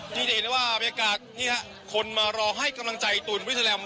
ที่จะเห็นแล้วว่าบริการนี่ครับคนมารอให้กำลังใจตูนบริษัทแหลม